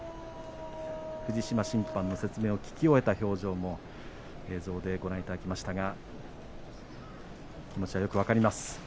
藤島審判の説明を聞き終えた表情も映像でご覧いただきましたが気持ちはよく分かります。